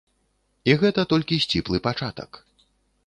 І гэта толькі сціплы пачатак.